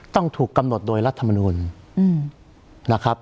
ต้องถูกกำหนดโดยรัฐมนูลนะครับ